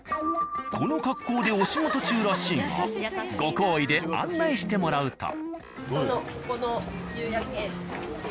この格好でお仕事中らしいがご厚意で案内してもらうと。